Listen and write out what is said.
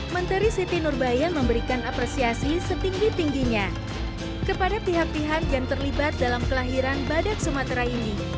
menteri siti nurbayan memberikan apresiasi setinggi tingginya kepada pihak pihak yang terlibat dalam kelahiran badak sumatera ini